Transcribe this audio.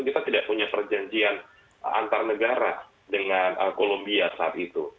kita tidak punya perjanjian antar negara dengan kolombia saat itu